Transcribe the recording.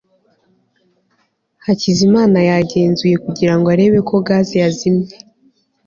hakizimana yagenzuye kugira ngo arebe ko gaze yazimye